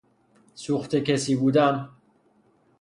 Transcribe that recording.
سوخته کسی بودن